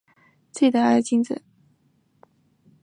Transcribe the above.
他们每天数自己得来的金子。